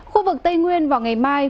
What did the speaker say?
khu vực tây nguyên vào ngày mai